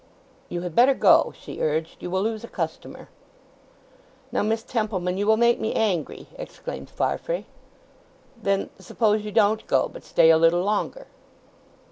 "You had better go," she urged. "You will lose a customer. "Now, Miss Templeman, you will make me angry," exclaimed Farfrae. "Then suppose you don't go; but stay a little longer?"